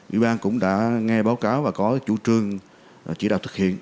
ủy ban cũng đã nghe báo cáo và có chủ trương chỉ đạo thực hiện